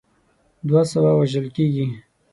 دوه سوه وژل کیږي.